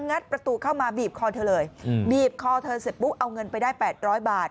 ัดประตูเข้ามาบีบคอเธอเลยบีบคอเธอเสร็จปุ๊บเอาเงินไปได้๘๐๐บาท